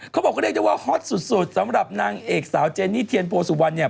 เขาบอกเรียกได้ว่าฮอตสุดสำหรับนางเอกสาวเจนี่เทียนโพสุวรรณเนี่ย